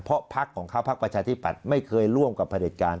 เพราะพักของเขาพักประชาธิปัตย์ไม่เคยร่วมกับประเด็จการ